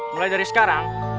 mulai dari sekarang